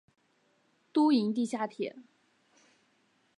都营地下铁